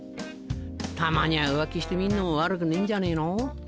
たまにゃ浮気してみんのも悪くねえんじゃねぇの？